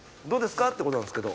どうです？